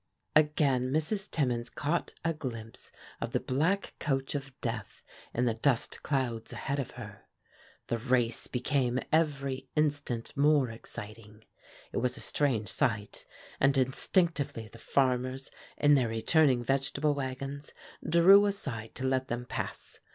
Again Mrs. Timmins caught a glimpse of the black coach of death in the dust clouds ahead of her. The race became every instant more exciting. It was a strange sight, and instinctively the farmers, in their returning vegetable wagons, drew aside to let them pass.